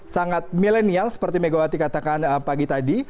sangat milenial seperti megawati katakan pagi tadi